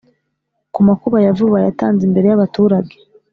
ku makuru ya vuba yatanze imbere y’ abaturage